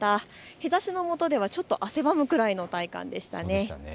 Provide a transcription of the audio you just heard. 日ざしのもとでは少し汗ばむくらいの体感でした。